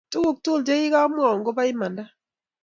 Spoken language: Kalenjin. Tuguk tugul chegakimwaun koba imanda